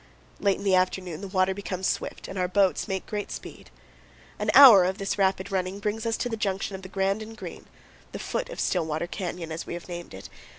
Late in the afternoon the water becomes swift and our boats make great speed.. An hour of this rapid running brings us to the junction of the Grand and Green, the foot of Stillwater Canyon, as we have named it.